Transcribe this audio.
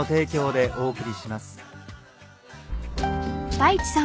［太一さん